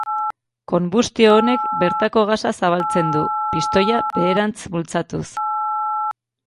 Konbustio honek bertako gasa zabaltzen du, pistoia beherantz bultzatuz.